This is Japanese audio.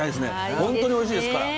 本当においしいですから。